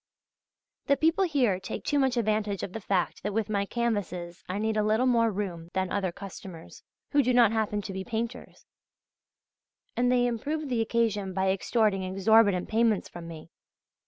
The people here take too much advantage of the fact that with my canvases I need a little more room than other customers, who do not happen to be painters, and they improve the occasion by extorting exorbitant payments from me....